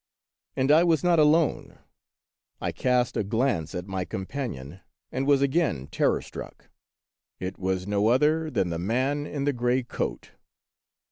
And I was not alone ! I cast a glance at my com panion, and was again terror struck. It was no other than the man in the gray coat